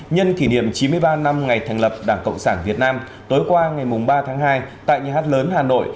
nhân kỷ niệm chín mươi ba năm ngày thành lập đảng cộng sản việt nam tối qua ngày ba tháng hai tại nhà hát lớn hà nội